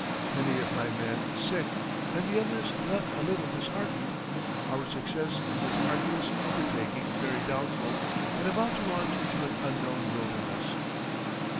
Many of my men sick, and the others not a little disheartened; our success in this arduous undertaking very doubtful, and about to launch into an unknown wilderness."